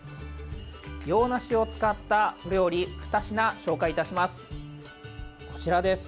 洋梨を使った料理２品紹介いたします。